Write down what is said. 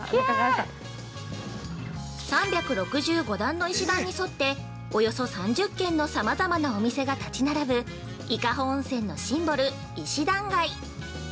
◆３６５段の石段に沿っておよそ３０軒のさまざまなお店が立ち並ぶ伊香保温泉のシンボル、石段街。